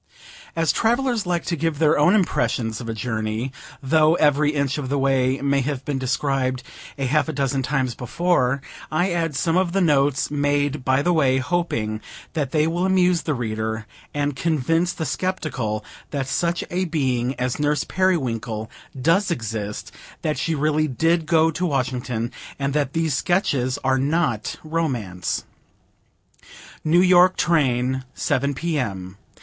As travellers like to give their own impressions of a journey, though every inch of the way may have been described a half a dozen times before, I add some of the notes made by the way, hoping that they will amuse the reader, and convince the skeptical that such a being as Nurse Periwinkle does exist, that she really did go to Washington, and that these Sketches are not romance. New York Train Seven P. M.